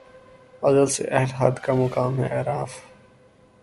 ازل سے اہل خرد کا مقام ہے اعراف